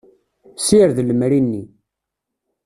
Sired lemri-nni.